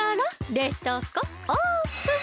冷凍庫オープン！